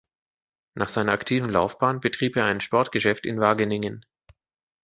Nach seiner aktiven Laufbahn betrieb er ein Sportgeschäft in Wageningen.